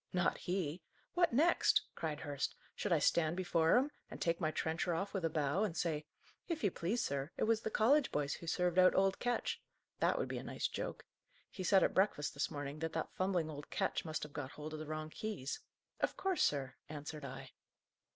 "Not he. What next?" cried Hurst. "Should I stand before him, and take my trencher off, with a bow, and say, 'If you please, sir, it was the college boys who served out old Ketch!' That would be a nice joke! He said, at breakfast, this morning, that that fumbling old Ketch must have got hold of the wrong keys. 'Of course, sir!' answered I."